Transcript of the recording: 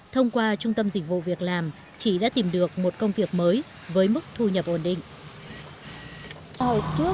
thông qua trung tâm dịch vụ việc làm chị đã tìm được một công việc mới với mức thu nhập ổn định